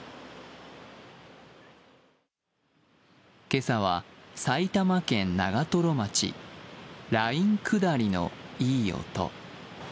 今朝は埼玉県長瀞町ラインくだりのいい音。